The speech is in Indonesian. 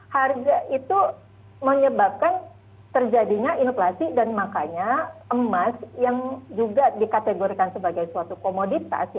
harga itu menyebabkan terjadinya inflasi dan makanya emas yang juga dikategorikan sebagai suatu komoditas